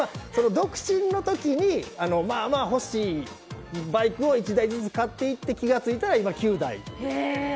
独身の時に欲しいバイクを１台ずつ買っていって気が付いたら今、９台。